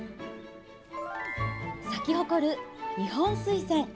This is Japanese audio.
咲き誇る二ホンスイセン。